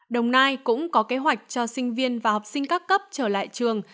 đồng nai cũng có kế hoạch cho sinh viên và học sinh các cấp trở lại trường